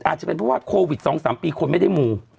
อาจจะเป็นเพราะว่าโควิด๒๓ปีคนไม่ได้มู